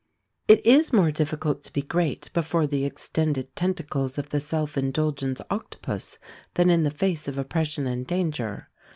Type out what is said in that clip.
It is more difficult to be great before the extended tentacles of the self indulgence octopus than in the face of oppression and danger.